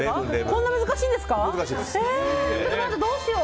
こんな難しいんですか？